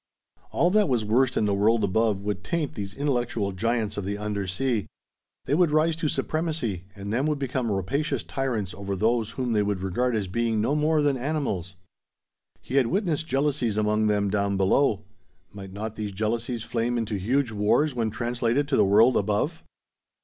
All that was worst in the world above would taint these intellectual giants of the undersea. They would rise to supremacy, and then would become rapacious tyrants over those whom they would regard as being no more than animals. He had witnessed jealousies among them down below. Might not these jealousies flame into huge wars when translated to the world above?